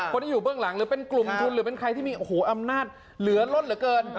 คนที่อยู่เบื้องหลังหรือเป็นกลุ่มทุนหรือเป็นใครที่มีโอ้โหอำนาจเหลือลดเหลือเกิน